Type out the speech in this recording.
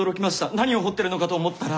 何を掘ってるのかと思ったら。